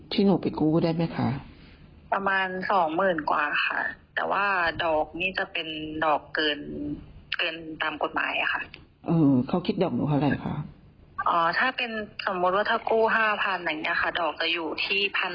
ถ้าเป็นสมมติว่าถ้ากู้๕๐๐๐บาทอยู่ที่๑๑๐๐บาท